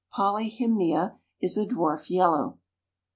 Polyhymnia is a dwarf yellow.